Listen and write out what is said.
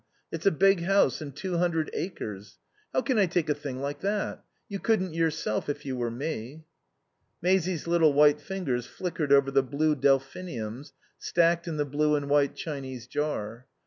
It's a big house and two hundred acres. How can I take a thing like that? You couldn't yourself if you were me." Maisie's little white fingers flickered over the blue delphiniums stacked in the blue and white Chinese jar.